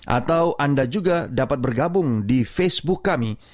atau anda juga dapat bergabung di facebook kami